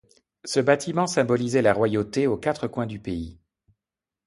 Ce bâtiment symbolisait la royauté aux quatre coins du pays.